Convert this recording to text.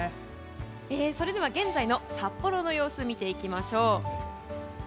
それでは現在の札幌の様子を見ていきましょう。